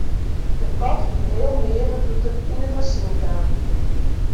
De kat wie heel meager doe't er yn it asyl kaam.